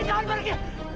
eh jangan pergi